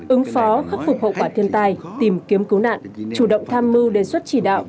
ứng phó khắc phục hậu quả thiên tai tìm kiếm cứu nạn chủ động tham mưu đề xuất chỉ đạo